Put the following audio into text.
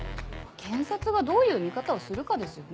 検察がどういう見方をするかですよね。